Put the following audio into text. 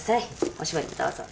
おしぼりもどうぞ。